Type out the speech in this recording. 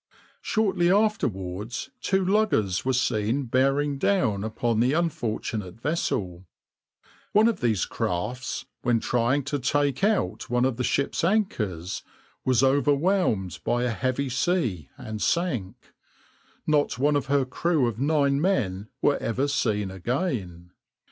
Shortly afterwards two luggers were seen bearing down upon the unfortunate vessel. One of these crafts, when trying to take out one of the ship's anchors, was overwhelmed by a heavy sea, and sank. Not one of her crew of nine men were ever seen again.